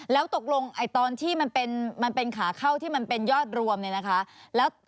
แล้วตกลงตอนที่มันเป็นขาเข้าที่มันเป็นยอดรวมเนี่ยนะคะ